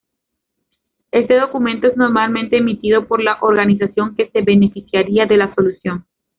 Este documento es normalmente emitido por la organización que se beneficiaría de la solución.